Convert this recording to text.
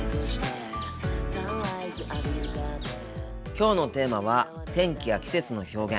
きょうのテーマは天気や季節の表現。